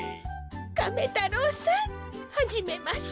カメ太郎さんはじめまして。